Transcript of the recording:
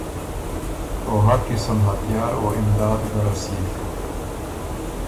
او هر قسم هتیار او امداد ګۀ رسيېک۔